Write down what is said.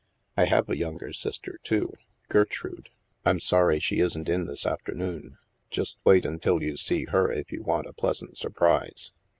" I have a younger sister, too — Gertrude. I'm STILL WATERS 59 sorry she isn't in this afternoon. Just wait until you see her, if you want a pleasant surprise."